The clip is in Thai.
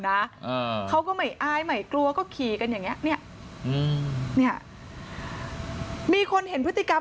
นะเขาก็ไม่อ้ายไม่กลัวก็ขี่กันอย่างนี้มีคนเห็นพฤติกรรม